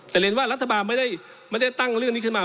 แต่เรียนว่ารัฐบาลไม่ได้ตั้งเรื่องนี้ขึ้นมา